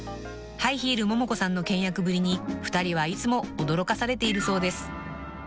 ［ハイヒール・モモコさんの倹約ぶりに２人はいつも驚かされているそうです］